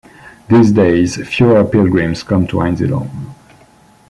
These days, fewer pilgrims come to Einsiedeln.